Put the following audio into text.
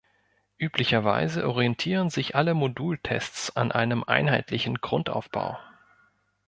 Üblicherweise orientieren sich alle Modultests an einem einheitlichen Grundaufbau.